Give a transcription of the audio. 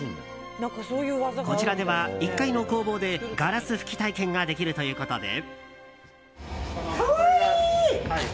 こちらでは、１階の工房でガラス吹き体験ができるということで。